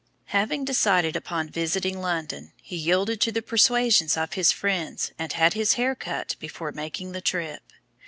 Having decided upon visiting London, he yielded to the persuasions of his friends and had his hair cut before making the trip.